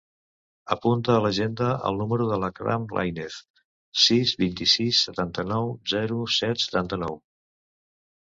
Apunta a l'agenda el número de l'Akram Lainez: sis, vint-i-sis, setanta-nou, zero, set, setanta-nou.